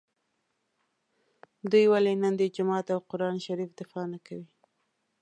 دوی ولي نن د جومات او قران شریف دفاع نکوي